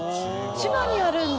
千葉にあるんだ。